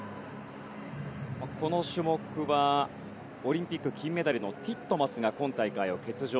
この種目はオリンピック金メダルのティットマスが今大会を欠場。